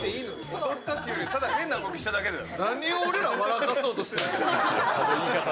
踊ったというよりただ変な動きしただけだよ。